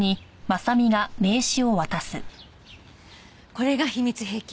これが秘密兵器。